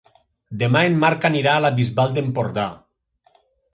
Demà en Marc anirà a la Bisbal d'Empordà.